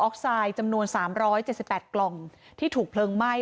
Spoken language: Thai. ไซด์จำนวน๓๗๘กล่องที่ถูกเพลิงไหม้